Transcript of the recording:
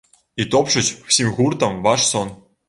І топчуць усім гуртам ваш сон.